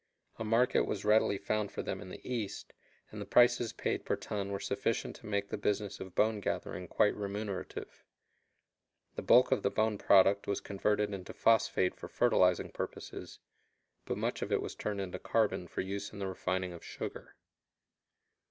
A market was readily found for them in the East, and the prices paid per ton were sufficient to make the business of bone gathering quite remunerative. The bulk of the bone product was converted into phosphate for fertilizing purposes, but much of it was turned into carbon for use in the refining of sugar.